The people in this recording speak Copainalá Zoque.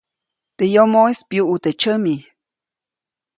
Teʼ yomoʼis pyuʼu teʼ tsyami.